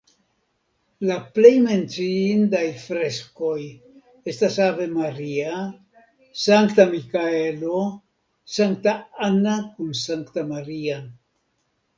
La plej menciindaj freskoj estas Ave Maria, Sankta Mikaelo, Sankta Anna kun Sankta Maria.